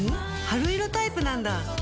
春色タイプなんだ。